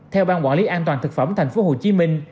theo ban quản lý an toàn thực phẩm thành phố hồ chí minh